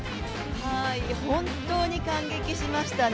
本当に感激しましたね。